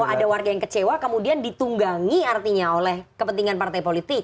saya bilang bahwa ada warga yang kecewa kemudian ditunggangi artinya oleh kepentingan partai politik